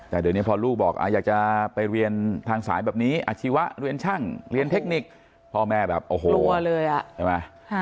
แต่เดี๋ยวนี้พอลูกบอกอยากจะไปเรียนทางสายแบบนี้อาชีวะเรียนช่างเรียนเทคนิคพ่อแม่แบบโอ้โหกลัวเลยอ่ะใช่ไหม